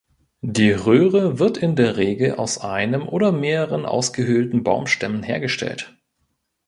Die Röhre wird in der Regel aus einem oder mehreren ausgehöhlten Baumstämmen hergestellt.